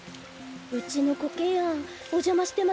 うちのコケヤンおじゃましてませんか？